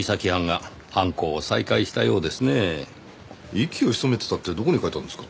「息を潜めてた」ってどこに書いてあるんですか？